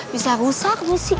bisa rusak dusik